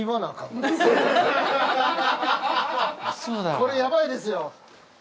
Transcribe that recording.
これヤバいですよ。